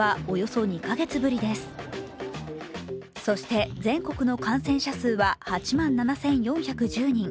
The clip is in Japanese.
そして、全国の感染者数は８万７４１０人。